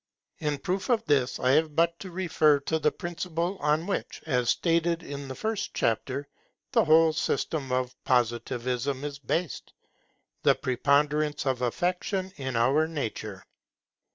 In proof of this I have but to refer to the principle on which, as stated in the first chapter, the whole system of Positivism is based; the preponderance of affection in our nature.